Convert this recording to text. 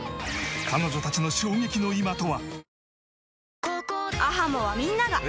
彼女たちの衝撃の今とは！？